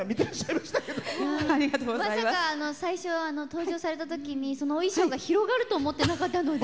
まさか最初登場されたときにお衣装が広がると思っていなかったので。